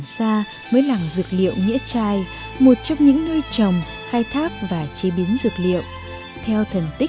xin chào và hẹn gặp lại